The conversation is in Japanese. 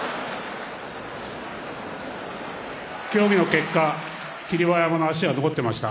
協議の結果、霧馬山の足が残っていました。